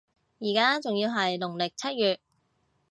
依家仲要係農曆七月